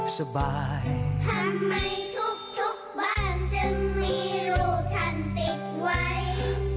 ทำไมทุกบ้านจึงมีรูทันติดไว้